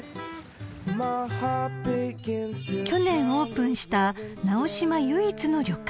［去年オープンした直島唯一の旅館］